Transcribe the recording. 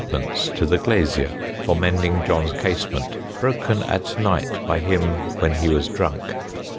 _ to the glasyer for mending John's casement broken at night by him when he was drunk.